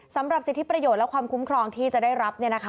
สำหรับสิทธิประโยชน์และความคุ้มครองที่จะได้รับ